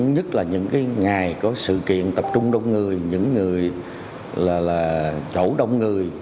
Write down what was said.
nhất là những ngày có sự kiện tập trung đông người những chỗ đông người